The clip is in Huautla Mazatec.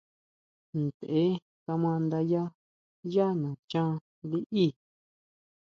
Ntʼe kama nda yá nachan liʼí.